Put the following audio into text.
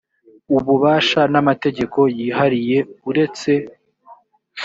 ububasha n amategeko yihariye uretse